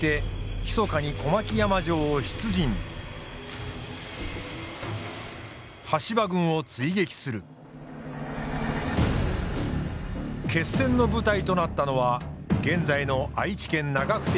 決戦の舞台となったのは現在の愛知県長久手市。